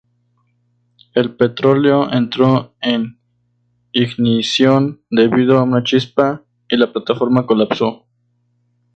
El petróleo entró en ignición debido a una chispa y la plataforma colapsó.